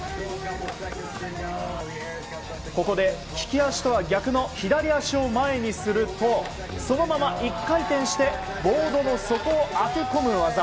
ここで効き足とは逆の左足を前にするとそのまま１回転してボードの底を当て込む技。